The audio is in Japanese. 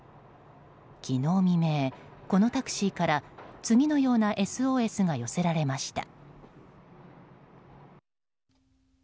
昨日未明、このタクシーから次のようなＳＯＳが寄せられました。